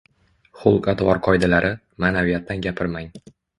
Xulq-atvor qoidalari, ma’naviyatdan gapirmang.